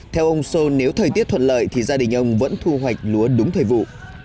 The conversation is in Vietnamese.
theo ông sơn nếu thời tiết thuận lợi thì gia đình ông vẫn thu hoạch lúa đúng thời vụ